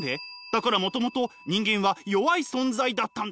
だからもともと人間は弱い存在だったんです。